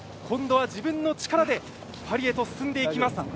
今度は自分の力でパリへと進んでいきます。